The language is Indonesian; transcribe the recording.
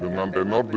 dengan tenor tujuh hari